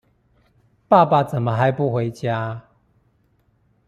爸爸怎麼還不回家